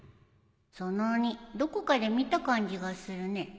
その鬼どこかで見た感じがするね